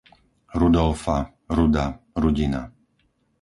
Rudolfa, Ruda, Rudina